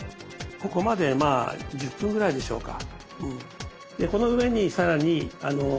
ここまでまあ１０分ぐらいでしょうか。